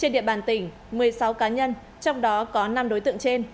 trên địa bàn tỉnh một mươi sáu cá nhân trong đó có năm đối tượng trên